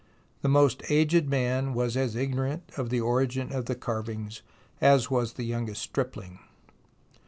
The most aged man was as ignorant of the origin of the carvings as was the youngest stripHng.